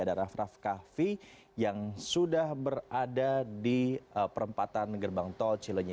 ada raff raff kahvi yang sudah berada di perempatan gerbang tol cilenyi